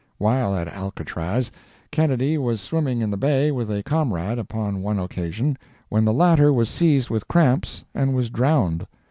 While at Alcatraz, Kennedy was swimming in the Bay with a comrade, upon one occasion, when the latter was seized with cramps and was drowned.